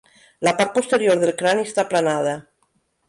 La part posterior del crani està aplanada.